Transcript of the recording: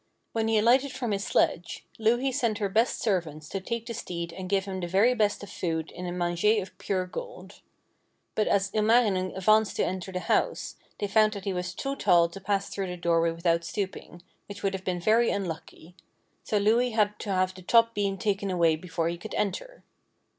When he alighted from his sledge, Louhi sent her best servants to take the steed and give him the very best of food in a manger of pure gold. But as Ilmarinen advanced to enter the house, they found that he was too tall to pass through the doorway without stooping, which would have been very unlucky: so Louhi had to have the top beam taken away before he could enter.